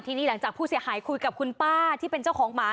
ทีนี้หลังจากผู้เสียหายคุยกับคุณป้าที่เป็นเจ้าของหมา